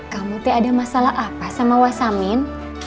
kamu tidak ada masalah apa sama wasamin